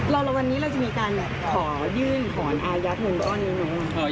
รอละวันนี้เราจะมีการขอยื่นขอนอายัดหนึ่งก้อนหนึ่งเนอะ